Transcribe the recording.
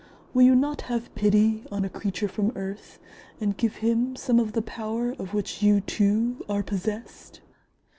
Will you not have pity on a creature from earth and give him some of the power of which you too are possessed?"